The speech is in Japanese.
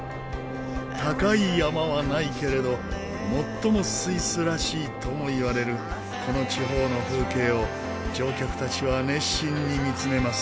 高い山はないけれど「最もスイスらしい」ともいわれるこの地方の風景を乗客たちは熱心に見つめます。